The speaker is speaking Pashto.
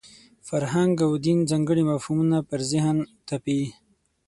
فرهنګ او دین ځانګړي مفهومونه پر ذهن تپي.